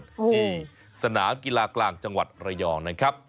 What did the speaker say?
ที่สนากีฬากลางจังหวัดระยอง